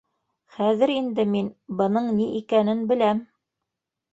Хәҙер инде мин бының ни икәнен беләм!